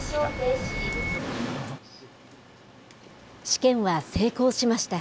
試験は成功しました。